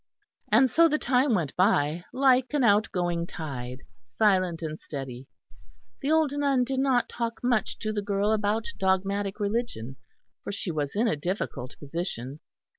And so the time went by, like an outgoing tide, silent and steady. The old nun did not talk much to the girl about dogmatic religion, for she was in a difficult position.